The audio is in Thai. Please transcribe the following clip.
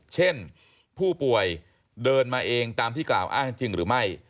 เช่นผู้ป่วยเดินมาเองตามที่กล่าวอ้างจริงหรือไม่